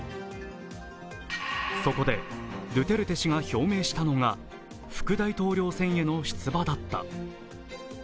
そこでドゥテルテ氏が表明したのが副大統領選への出馬だった。